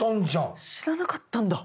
えっ知らなかったんだ。